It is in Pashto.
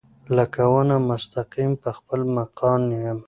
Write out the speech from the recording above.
لکه ونه مستقیم پۀ خپل مکان يم